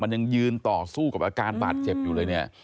มันยังยืนต่อสู้กับอาการบาดเจ็บอยู่เลยเนี่ย